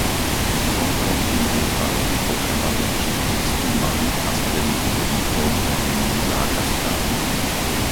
Konkrétnym príkladom je potreba zlepšiť prístup malých a stredných podnikov k verejným zákazkám.